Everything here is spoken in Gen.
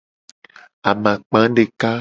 Amakpa deka.